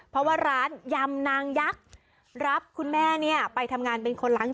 เพราะว่าร้านหยำนางยักษ์รับของคุณแม่ไปทำงานแบบคนนี้ด้วยนะคะ